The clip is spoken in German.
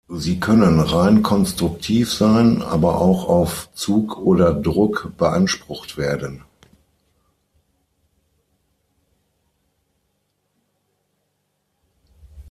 Sie können rein konstruktiv sein, aber auch auf Zug oder Druck beansprucht werden.